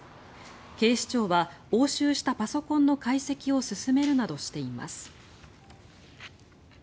警視庁は押収したパソコンの解析を進めるなどしています。